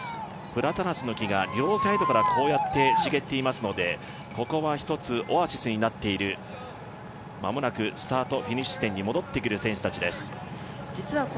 プラタナスの木が両サイドからこうやって茂っていますのでここは一つオアシスになっている間もなくスタートフィニッシュ点に戻ってくる選手たちです。